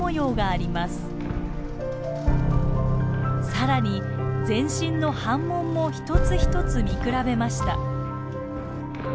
さらに全身の斑紋も一つ一つ見比べました。